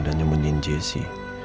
dan nyemunyiin jessy